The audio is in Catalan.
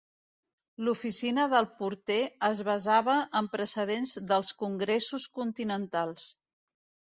L'Oficina del Porter es basava en precedents dels Congressos Continentals.